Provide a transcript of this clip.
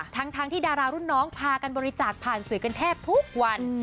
ทั้งที่ดารารุ่นน้องพากันบริจาคผ่านสื่อกันแทบทุกวัน